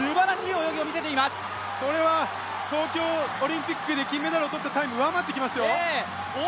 これは東京オリンピックで金メダルを取ったタイムを上回ってきますよ。